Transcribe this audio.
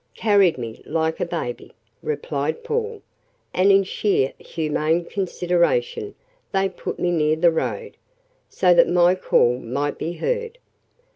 "Carried me like a baby," replied Paul, "and in sheer humane consideration they put me near the road, so that my call might be heard."